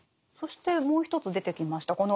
そしてもう一つ出てきました